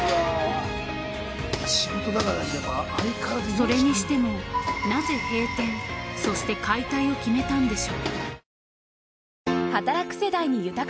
それにしてもなぜ閉店そして解体を決めたんでしょう。